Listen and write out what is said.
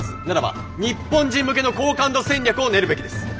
ならば日本人向けの好感度戦略を練るべきです。